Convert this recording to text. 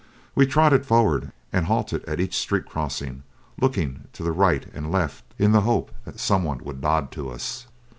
We trotted forward and halted at each street crossing, looking to the right and left in the hope that some one might nod to us.